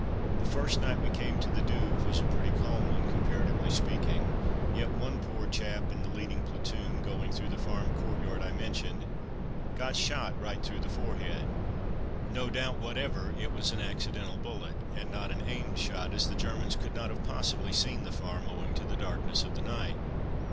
The first night we came to the Douve was a pretty calm one, comparatively speaking; yet one poor chap in the leading platoon, going through the farm courtyard I mentioned, got shot right through the forehead. No doubt whatever it was an accidental bullet, and not an aimed shot, as the Germans could not have possibly seen the farm owing to the darkness of the night.